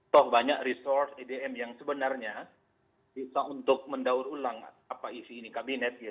toh banyak resor idm yang sebenarnya bisa untuk mendaur ulang apa isi ini kabinet gitu ya